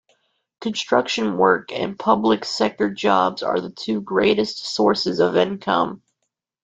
Construction work and public-sector jobs are the two greatest sources of income.